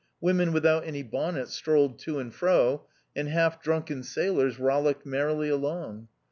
Women without any bonnets strolled to and fro, and half drunken sailors rollicked merrily along.